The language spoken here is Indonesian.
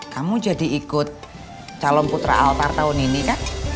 kamu jadi ikut calon putra altar tahun ini kan